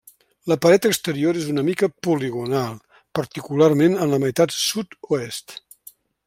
La paret exterior és una mica poligonal, particularment en la meitat sud-oest.